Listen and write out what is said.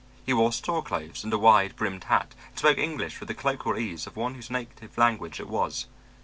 He wore store clothes and a wide brimmed hat, and spoke English with the colloquial ease of one whose native language it was.